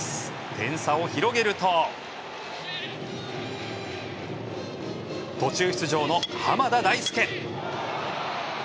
点差を広げると途中出場の濱田大輔。